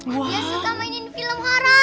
dia suka mainin film horor